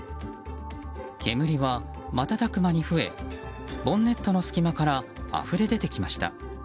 煙は瞬く間に増えボンネットの隙間からあふれ出てきました。